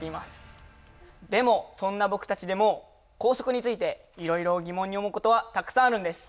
でもそんな僕たちでも校則についていろいろ疑問に思うことはたくさんあるんです。